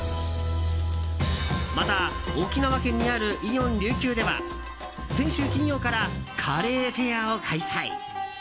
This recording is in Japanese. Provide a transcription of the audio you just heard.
また沖縄県にあるイオン琉球では先週金曜からカレーフェアを開催。